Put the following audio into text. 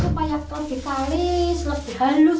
supaya lebih kalis lebih halus adonan